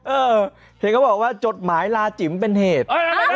เออเธอก็บอกว่าจดหมายลาจิ๋มเป็นเหตุ